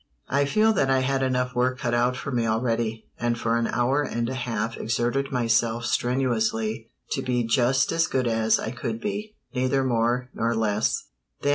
I felt that I had enough work cut out for me already, and for an hour and a half exerted myself strenuously to be just as good as I could be, neither more nor less.